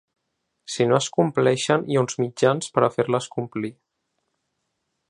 Si no es compleixen hi ha uns mitjans per a fer-les complir.